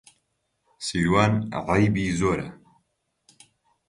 سیروان عەیبی زۆرە.